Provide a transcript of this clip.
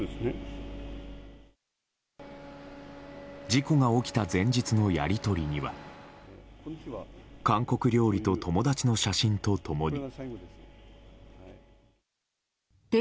事故が起きた前日のやり取りには韓国料理と友達の写真と共に。